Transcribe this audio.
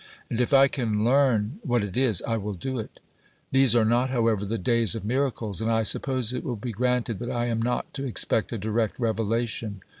And if I can learn what it is, I will do it. These are not, however, the days of miracles, and I suppose it will be granted that I am not to expect a direct revelation.